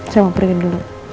saya mau pergi dulu